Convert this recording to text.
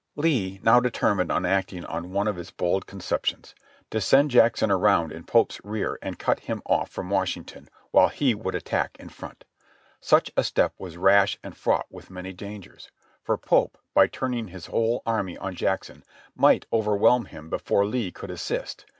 Lee now determined on acting on one of his bold conceptions — to send Jackson around in Pope's rear and cut him off from Wash ington, while he would attack in front. Such a step was rash and fraught with many dangers, for Pope, by turning his whole army on Jackson, might overwhelm him before Lee could assist.